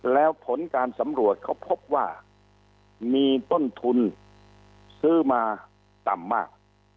แล้วผลการสำรวจเขาพบว่ามีต้นทุนซื้อมาต่ำมาก